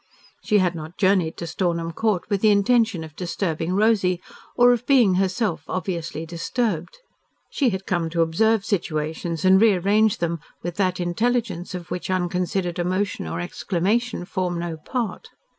She had not journeyed to Stornham Court with the intention of disturbing Rosy, or of being herself obviously disturbed. She had come to observe situations and rearrange them with that intelligence of which unconsidered emotion or exclamation form no part.